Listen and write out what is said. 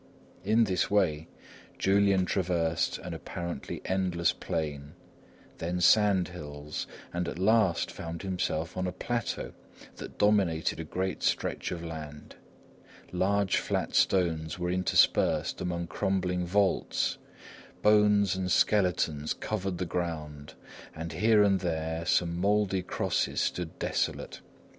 In this way Julian traversed an apparently endless plain, then sand hills, and at last found himself on a plateau that dominated a great stretch of land. Large flat stones were interspersed among crumbling vaults; bones and skeletons covered the ground, and here and there some mouldy crosses stood desolate.